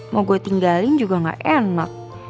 mau gue tinggalin juga gak enak